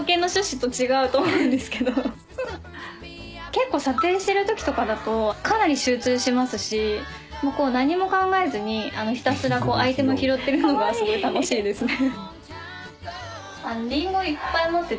結構査定してるときとかだとかなり集中しますしこう何も考えずにひたすらアイテム拾ってるのがすごい楽しいですね。